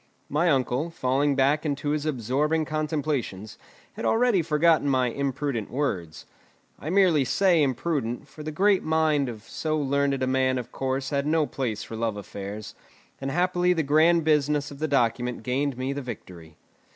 My uncle, falling back into his absorbing contemplations, had already forgotten my imprudent words. I merely say imprudent, for the great mind of so learned a man of course had no place for love affairs, and happily the grand business of the document gained me the victory.